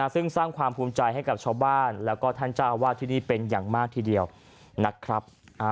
ซึ่งสร้างความภูมิใจให้กับชาวบ้านแล้วก็ท่านเจ้าอาวาสที่นี่เป็นอย่างมากทีเดียวนะครับ